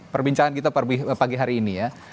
perbincangan kita pagi hari ini ya